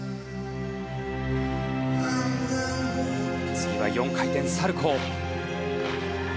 次は４回転サルコー。